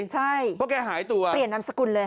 ใช่เพราะแกหายตัวเปลี่ยนนามสกุลเลย